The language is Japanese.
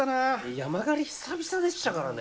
山狩り久々でしたからね。